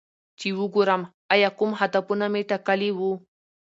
چې وګورم ایا کوم هدفونه مې ټاکلي وو